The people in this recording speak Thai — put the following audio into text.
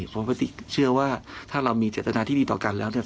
เพราะพอติ๊กเชื่อว่าถ้าเรามีจัตรนาที่ดีต่อกันแล้วเนี่ย